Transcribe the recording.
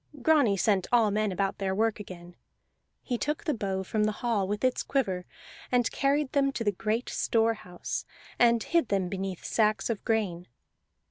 Grani sent all men about their work again; he took the bow from the hall, with its quiver, and carried them to the great store house, and hid them beneath sacks of grain.